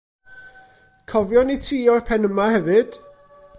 Cofion i ti o'r pen yma hefyd.